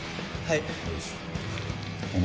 はい。